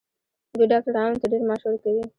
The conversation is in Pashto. دوی ډاکټرانو ته ډیر معاش ورکوي.